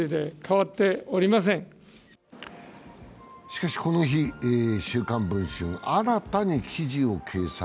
しかしこの日、「週刊文春」は新たに記事を掲載。